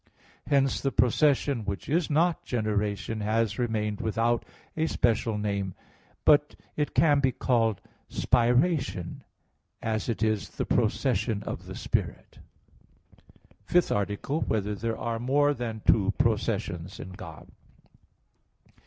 Hence the procession which is not generation has remained without a special name; but it can be called spiration, as it is the procession of the Spirit. _______________________ FIFTH ARTICLE [I, Q. 27, Art. 5] Whether There Are More Than Two Processions in God?